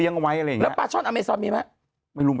แล้วปลาช่อนอเมซอนมีไหม